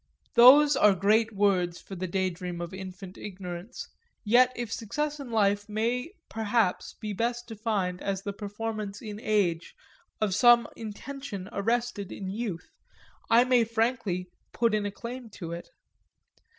Those are great words for the daydream of infant ignorance, yet if success in life may perhaps be best defined as the performance in age of some intention arrested in youth I may frankly put in a claim to it.